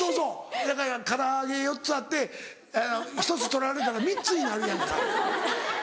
だから唐揚げ４つあって１つ取られたら３つになるやんか。